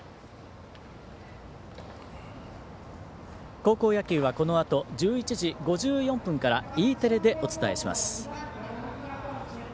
高校野球はこのあと１１時５４分からＥテレでお伝えします。